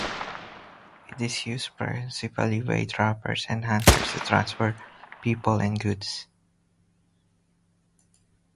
It is used principally by trappers and hunters to transport people and goods.